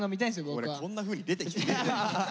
俺こんなふうに出てきてねえよ。